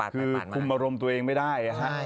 คือคุมอารมณ์ตัวเองไม่ได้